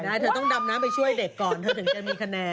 เธอต้องดำน้ำไปช่วยเด็กก่อนเธอถึงจะมีคะแนน